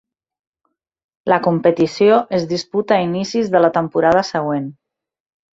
La competició es disputa a inicis de la temporada següent.